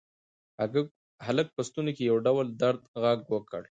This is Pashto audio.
هلک په ستوني کې یو ډول د درد غږ وکړ.